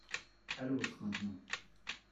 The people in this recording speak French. À l’autre maintenant !